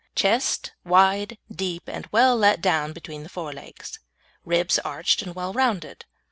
Chest Wide, deep, and well let down between the fore legs. Ribs arched and well rounded.